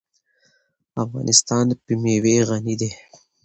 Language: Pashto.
افغانستان په مېوې غني دی.